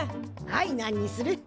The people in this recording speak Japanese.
はいなんにする？